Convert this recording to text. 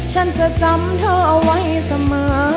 ฉันจะจำเธอไว้เสมอ